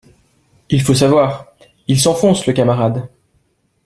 Il faut savoir, Il s’enfonce, le camarade